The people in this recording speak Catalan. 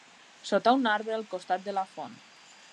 Sota un arbre al costat de la font.